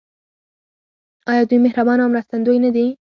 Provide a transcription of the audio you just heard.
آیا دوی مهربان او مرستندوی نه دي؟